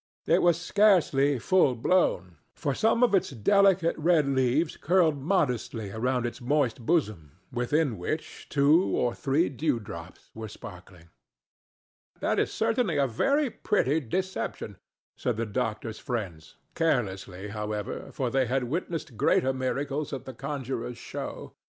It was scarcely full blown, for some of its delicate red leaves curled modestly around its moist bosom, within which two or three dewdrops were sparkling. "That is certainly a very pretty deception," said the doctor's friends—carelessly, however, for they had witnessed greater miracles at a conjurer's show.